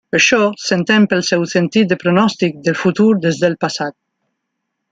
Això s'entén pel seu sentit de pronòstic del futur des del passat.